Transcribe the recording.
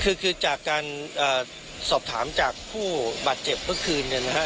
คือคือจากการสอบถามจากผู้บาดเจ็บเมื่อคืนเนี่ยนะฮะ